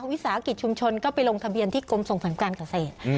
วิสาหกิจชุมชนก็ไปลงทะเบียนที่กรมส่งเสริมการเกษตร